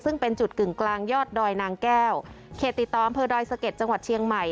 ซึ่งเป็นจุดกึ่งกลางยอดดอยนางแก้วเขตติดต่ออำเภอดอยสะเก็ดจังหวัดเชียงใหม่